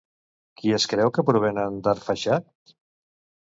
Qui es creu que provenen d'Arfaxad?